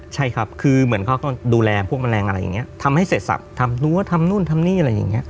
ใช่ครับคือเหมือนเขาต้องดูแลพวกแมลงอะไรอย่างนี้ทำให้เสร็จสับทำรั้วทำนู่นทำนี่อะไรอย่างเงี้